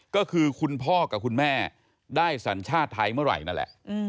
ก็คือคุณพ่อกับคุณแม่ได้สัญชาติไทยเมื่อไหร่นั่นแหละ